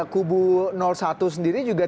kubu satu sendiri juga